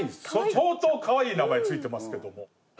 相当かわいい名前ついてますけども。